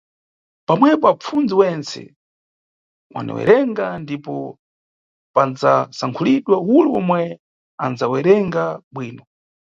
Pomwepo apfundzi wentse waniwerenga ndipo pandzasankhulidwa ule omwe andzawerenga bwino.